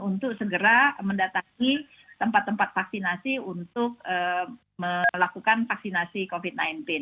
untuk segera mendatangi tempat tempat vaksinasi untuk melakukan vaksinasi covid sembilan belas